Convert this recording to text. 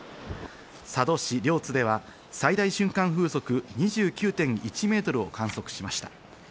佐渡市両津では最大瞬間風速２９．１メートルを観測しました。